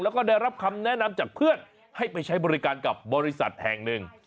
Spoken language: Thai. แล้วก็ได้รับคำแนะนำจากเพื่อนให้ไปใช้บริการกับบริษัทแห่งหนึ่ง